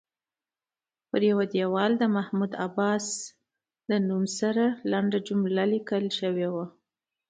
پر یوه دیوال د محمود عباس نوم سره لنډه جمله لیکل شوې وه.